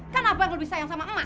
kan abang lebih sayang sama emak